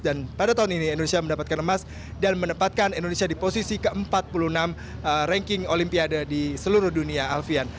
dan pada tahun ini indonesia mendapatkan emas dan menempatkan indonesia di posisi ke empat puluh enam ranking olimpiade di seluruh dunia alfian